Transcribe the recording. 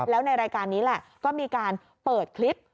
แล้วในรายการนี้แหละก็มีการเปิดคลิป